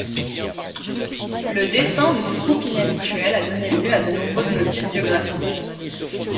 Le destin de ce couple inhabituel a donné lieu à de nombreuses notices biographiques.